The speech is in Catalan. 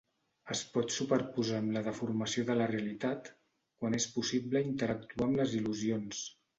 Es pot superposar amb la deformació de la realitat quan és possible interactuar amb les il·lusions.